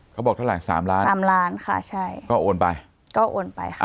เขาบอกเท่าไหร่สามล้านสามล้านค่ะใช่ก็โอนไปก็โอนไปค่ะ